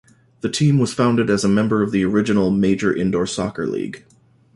The team was founded as a member of the original Major Indoor Soccer League.